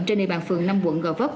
trên địa bàn phường năm quận gò vấp